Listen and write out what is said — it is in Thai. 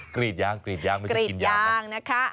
กรีดยางไม่ใช่กินยางนะ